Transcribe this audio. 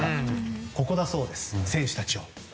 ここだそうです、選手たちは。